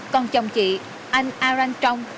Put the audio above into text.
còn chồng chị anh arang trong